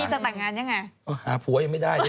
จะแต่งงานยังไงหาผัวยังไม่ได้เลย